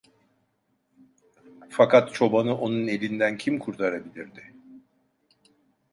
Fakat çobanı onun elinden kim kurtarabilirdi?